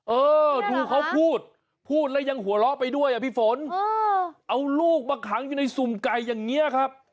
เออดูเขาพูดพูดแล้วยังหัวเราะไปด้วยอ่ะพี่ฝนเอาลูกมาขังอยู่ในสุ่มไก่อย่างนี้ครับ